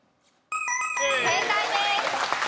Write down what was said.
正解です。